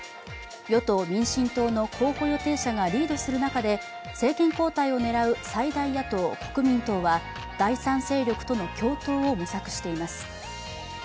与党・民進党の候補予定者がリードする中で政権交代を狙う最大野党・国民党は第３勢力の共闘を模索しています。